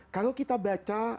kalau kita baca